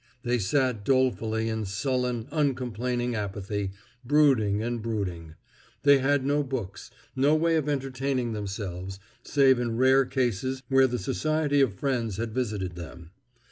They sat dolefully in sullen, uncomplaining apathy, brooding and brooding. They had no books, no way of entertaining themselves, save in rare cases where the Society of Friends had visited them.